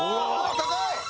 高い！